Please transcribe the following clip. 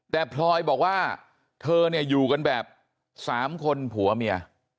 แต่พลอยบอกว่าเธอเนี่ยอยู่กันแบบ๓คนผัวเมีย